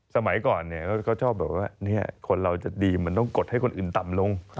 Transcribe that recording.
สมัยก่อนก็ชอบคนเราจะดีต้องกดให้คนอื่นต่ำลง